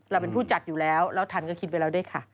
เราเป็นผู้จัดอยู่แล้วแล้วทันก็คิดไว้แล้วด้วยค่ะ